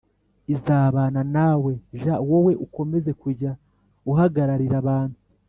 izabana nawe j Wowe ukomeze kujya uhagararira abantu